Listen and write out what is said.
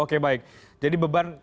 oke baik jadi beban